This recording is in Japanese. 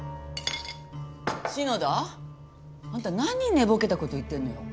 篠田。あんた何寝ぼけたこと言ってるのよ。